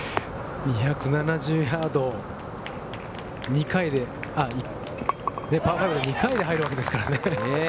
２７０ヤード、２回でパー５で２回で入るわけですからね。